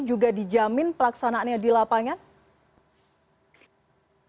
juga dijamin pelaksanaannya di lapangan